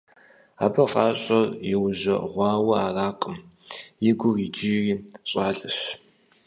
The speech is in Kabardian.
Абы гъащӀэр иужэгъуауэ аракъым, и гур иджыри щӀалэщ.